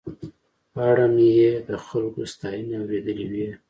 په اړه مې یې د خلکو ستاينې اورېدلې وې.